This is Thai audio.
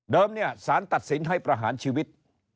เนี่ยสารตัดสินให้ประหารชีวิต